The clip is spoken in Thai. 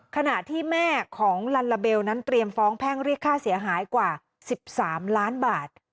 ขณะที่แม่ของลัลลาเบลนั้นเตรียมฟ้องแพ่งเรียกค่าเสียหายกว่า๑๓ล้านบาท